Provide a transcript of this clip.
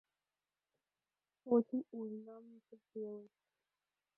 Очень уж нам не терпелось.